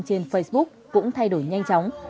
trên facebook cũng thay đổi nhanh chóng